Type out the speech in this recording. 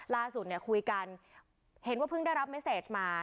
ล่าสุดเนี่ยคุยกันเห็นว่าเพิ่งได้รับเมสเซจมา